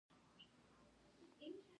مچان د څراغ شاوخوا ګرځي